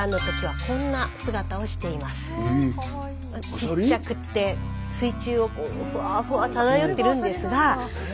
ちっちゃくって水中をフワフワ漂ってるんですが。